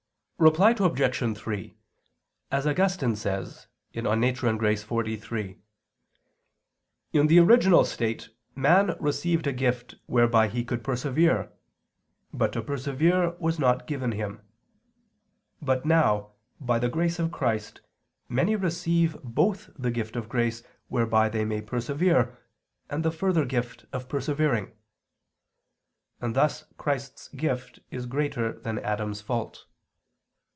Reply Obj. 3: As Augustine says (De Natura et Gratia xliii) [*Cf. De Correp. et Grat. xii]: "in the original state man received a gift whereby he could persevere, but to persevere was not given him. But now, by the grace of Christ, many receive both the gift of grace whereby they may persevere, and the further gift of persevering," and thus Christ's gift is greater than Adam's fault.